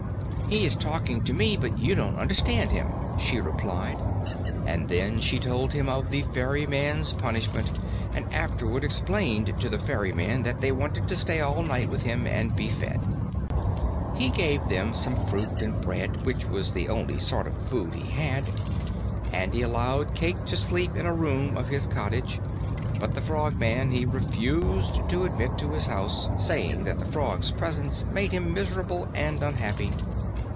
"He is talking to me, but you don't understand him," she replied. And then she told him of the ferryman's punishment and afterward explained to the ferryman that they wanted to stay all night with him and be fed. He gave them some fruit and bread, which was the only sort of food he had, and he allowed Cayke to sleep in a room of his cottage. But the Frogman he refused to admit to his house, saying that the frog's presence made him miserable and unhappy.